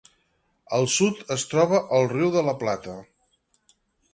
Al sud es troba el Riu de la Plata.